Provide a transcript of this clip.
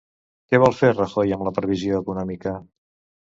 Què vol fer Rajoy amb la previsió econòmica?